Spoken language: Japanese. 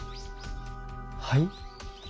はい？